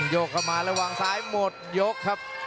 โยกเข้ามาระหว่างซ้ายหมดยกครับ